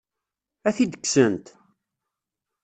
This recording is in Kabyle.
Ad t-id-kksent?